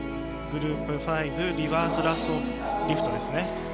グループファイブリバースラッソーリフトですね。